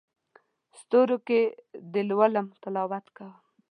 ستورو کې دې لولم تلاوت کوم